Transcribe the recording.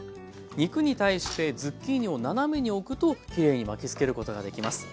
肉に対してズッキーニを斜めに置くときれいに巻きつけることができます。